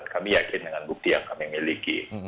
kami yakin dengan bukti yang kami miliki